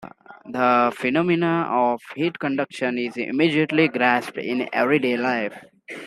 The phenomenon of heat conduction is immediately grasped in everyday life.